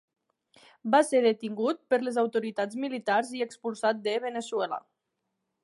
Va ser detingut per les autoritats militars i expulsat de Veneçuela.